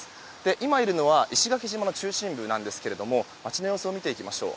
今いるのは石垣島の中心部なんですが街の様子を見ていきましょう。